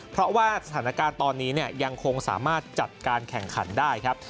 เพราะว่าสถานการณ์ตอนนี้ยังคงสามารถจัดการแข่งขันได้ครับ